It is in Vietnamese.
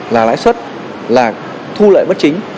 là lãi suất là thu lợi bất chính